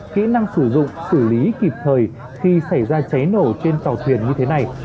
kỹ năng sử dụng xử lý kịp thời khi xảy ra cháy nổ trên tàu thuyền như thế này